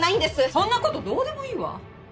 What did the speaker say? そんなことどうでもいいわ。